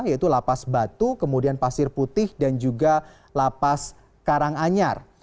yaitu lapas batu kemudian pasir putih dan juga lapas karanganyar